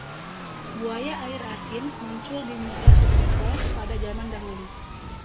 Buaya air asin muncul di muara Sungai Pearl pada jaman dahulu.